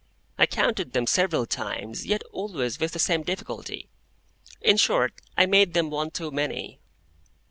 I counted them several times, yet always with the same difficulty. In short, I made them one too many.